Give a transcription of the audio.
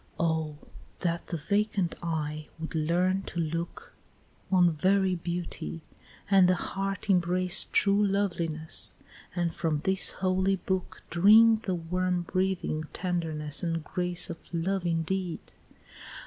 "Oh, that the vacant eye would learn to look On very beauty, and the heart embrace True loveliness, and from this holy book Drink the warm breathing tenderness and grace Of love indeed!